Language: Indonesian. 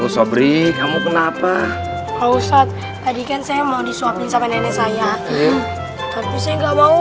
sabri kamu kenapa kau ustadz tadi kan saya mau disuapin sama nenek saya tapi saya nggak mau